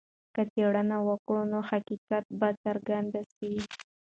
که څېړنه وکړو نو حقیقت به څرګند سي.